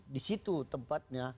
di situ tempatnya